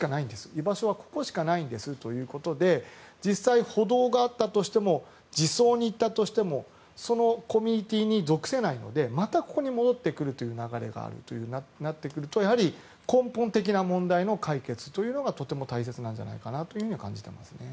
居場所はここしかないんですということで実際、補導があったとしても児相に行ったとしてもそのコミュニティーに属せないのでまたここに戻ってくるという流れになってくるとやはり根本的な問題の解決というのがとても大切なんじゃないかなと感じています。